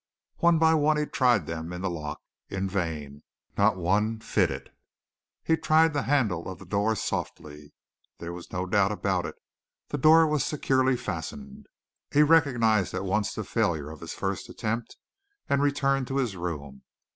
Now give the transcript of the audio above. One by one he tried them in the lock. In vain! Not one fitted. He tried the handle of the door softly. There was no doubt about it. The door was securely fastened. He recognized at once the failure of his first attempt, and returned to his room.